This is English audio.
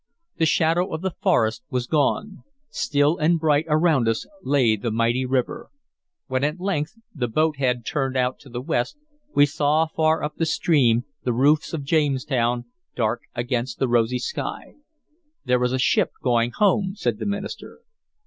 The shadow of the forest was gone; still and bright around us lay the mighty river. When at length the boat head turned to the west, we saw far up the stream the roofs of Jamestown, dark against the rosy sky. "There is a ship going home," said the minister.